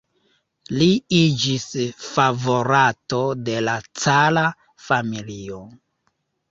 Li iĝis favorato de la cara familio.